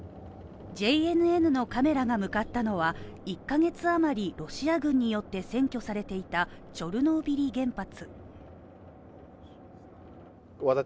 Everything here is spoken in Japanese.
ＪＮＮのカメラが向かったのは、１カ月あまりロシア軍によって占拠されていたチョルノービリ原発。